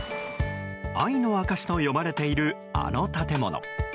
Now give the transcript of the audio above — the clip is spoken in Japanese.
愛の証しと呼ばれているあの建物。